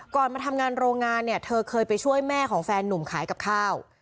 มาทำงานโรงงานเนี่ยเธอเคยไปช่วยแม่ของแฟนนุ่มขายกับข้าว